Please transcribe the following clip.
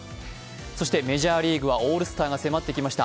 そして、メジャーリーグはオールスターが迫ってきました。